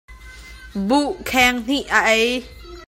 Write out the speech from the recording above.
Buh kheng hnih a ei.